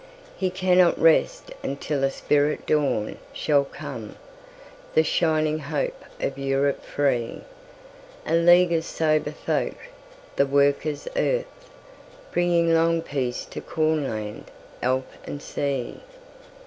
He cannot rest until a spirit dawnShall come;—the shining hope of Europe free:A league of sober folk, the Workers' Earth, Bringing long peace to Cornland, Alp and Sea.